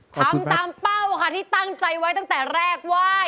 ทำตามเป้าค่ะที่ตั้งใจไว้ตั้งแต่แรกว่า